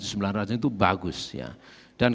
itu bagus dan